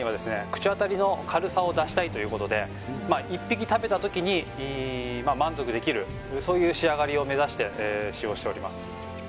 口当たりの軽さを出したいということで一匹食べた時に満足できるそういう仕上がりを目指して使用しております